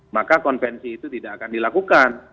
maka konvensi itu tidak akan dilakukan